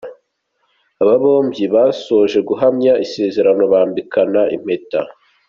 Aba bombi basoje guhamya isezerano bambikana impeta